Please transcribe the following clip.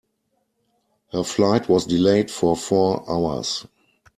Her flight was delayed for four hours.